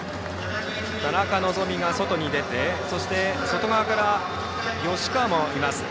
田中希実が外に出てそして、外側から吉川もいます。